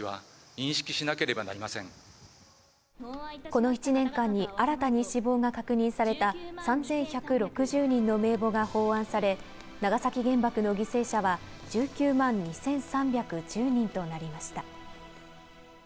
この１年間に新たに死亡が確認された３１６０人の名簿が奉安され、長崎原爆の犠牲者は１９万２３１０人となりました。